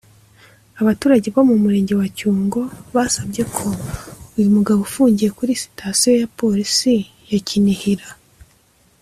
Abaturage bo mu Murenge wa Cyungo basabye ko uyu mugabo ufungiye kuri sitasiyo ya Polisi ya Kinihira